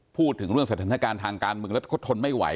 พูดถึงเรื่องสถานการณ์ทางการเมืองแล้วก็ทนไม่ไหว